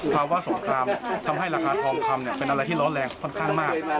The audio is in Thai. ภาวะสงครามทำให้ราคาทองคำเป็นอะไรที่ร้อนแรงค่อนข้างมาก